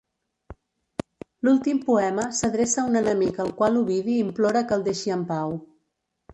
L'últim poema s'adreça a un enemic al qual Ovidi implora que el deixi en pau.